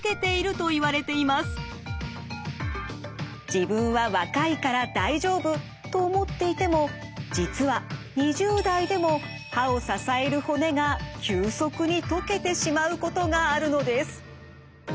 自分は若いから大丈夫と思っていても実は２０代でも歯を支える骨が急速に溶けてしまうことがあるのです。